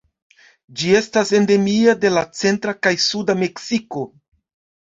Ĝi estas endemia de la centra kaj suda Meksiko.